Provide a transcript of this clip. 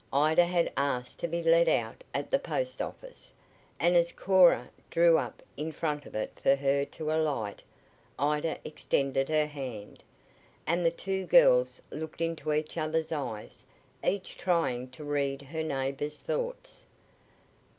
Ida had asked to be let out at the post office, and as Cora drew up in front of it for her to alight, Ida extended her hand, and the two girls looked into each other's eyes, each trying to read her neighbor's thoughts.